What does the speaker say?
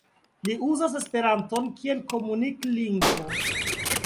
Li uzas esperanton kiel komunik-lingvo.